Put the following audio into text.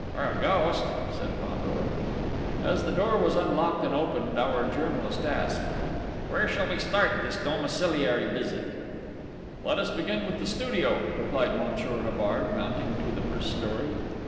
"Or a ghost!" said Fandor. And as the door was unlocked and opened, our journalist asked: "Where shall we start this domiciliary visit?" "Let us begin with the studio," replied Monsieur Havard, mounting to the first story.